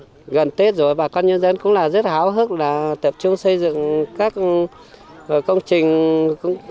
bây giờ gần tết rồi bà con nhân dân cũng là rất hào hức là tập trung xây dựng các công trình cũng